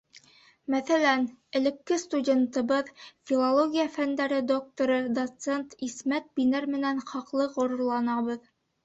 Мәҫәлән, элекке студентыбыҙ, филология фәндәре докторы, доцент Исмәт Бинәр менән хаҡлы ғорурланабыҙ.